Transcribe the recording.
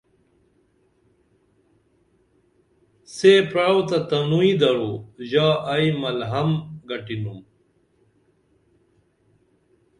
سے پرَعو تہ تنوئی درو ژا ائی ملھام گٹِنُم